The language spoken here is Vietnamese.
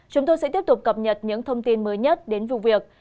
chúng tôi sẽ tiếp tục cập nhật những thông tin mới nhất đến vụ việc